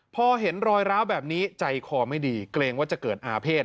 พอเห็นรอยร้าวแบบนี้ใจคอไม่ดีเกรงว่าจะเกิดอาเภษ